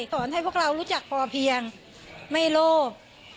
สอนให้พวกเรารู้จักพอเพียงไม่โลภ